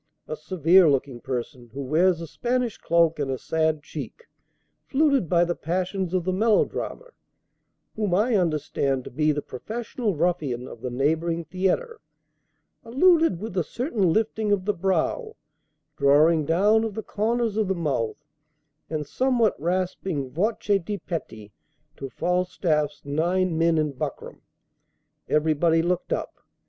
A severe looking person, who wears a Spanish cloak and a sad cheek, fluted by the passions of the melodrama, whom I understand to be the professional ruffian of the neighboring theater, alluded, with a certain lifting of the brow, drawing down of the corners of the mouth and somewhat rasping voce di petti, to Falstaff's nine men in buckram. Everybody looked up.